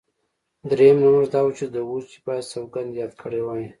درېیم نوښت دا و چې دوج باید سوګند یاد کړی وای